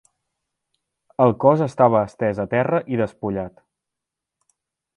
El cos estava estès a terra i despullat.